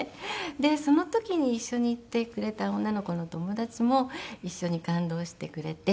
でその時に一緒に行ってくれた女の子の友達も一緒に感動してくれて。